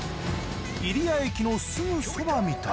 入谷駅のすぐそばみたい。